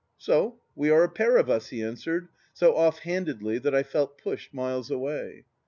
" So we are a pair of us," he answered, so off handedly that I felt pushed miles away.